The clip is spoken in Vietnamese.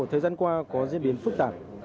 thời gian qua có diễn biến phức tạp